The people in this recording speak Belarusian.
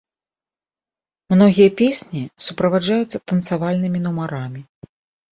Многія песні суправаджаюцца танцавальнымі нумарамі.